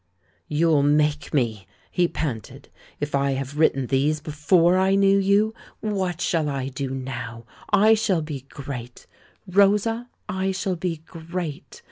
"You'll 'make' me!" he panted. "If I have written these before I knew you, what shall I do now? I shall be great; Rosa, I shall be great.